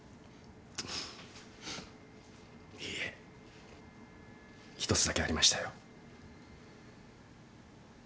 いえ一つだけありましたよ。